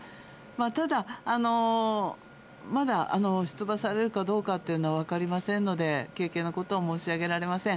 ただ、まだ出馬されるかどうかというのは分かりませんので、軽々なことは申し上げられません。